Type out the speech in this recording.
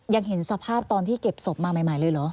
ยังเห็นสภาพตอนที่เก็บศพมาใหม่เลยเหรอ